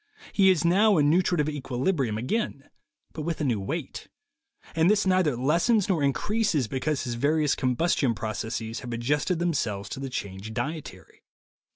He is now in nutritive equilibrium again, but with a new weight; and this neither lessens nor increases because his various combus tion processes have adjusted themselves to the changed dietary.